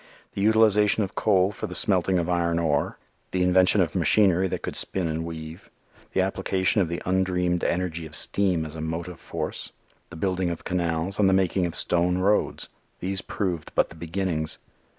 The utilization of coal for the smelting of iron ore; the invention of machinery that could spin and weave; the application of the undreamed energy of steam as a motive force, the building of canals and the making of stone roads these proved but the beginnings.